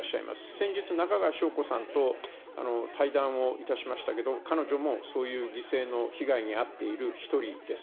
先日、中川翔子さんと対談をいたしましたけど、彼女もそういう犠牲の被害に遭っている一人です。